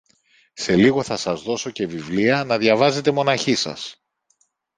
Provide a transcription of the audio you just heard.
Σε λίγο θα σας δώσω και βιβλία να διαβάζετε μοναχοί σας.